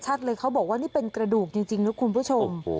เลยเขาบอกว่านี่เป็นกระดูกจริงนะคุณผู้ชม